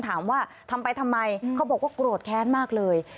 ถามว่าทำไปทำไมเขาบอกว่าโกรธแค้นมากเลย